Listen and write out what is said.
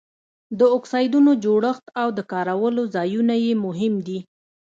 د اکسایډونو جوړښت او د کارولو ځایونه یې مهم دي.